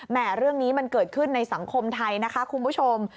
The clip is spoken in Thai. เรื่องนี้มันเกิดขึ้นในสังคมไทยนะคะคุณผู้ชม